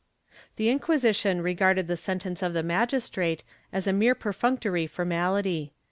The Inquisition regarded the sentence of the magistrate as a mere perfunctory formality.